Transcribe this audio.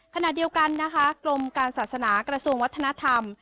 ขณะเดียวกันนะคะกรมการศาสนากระทรวงวัฒนธรรม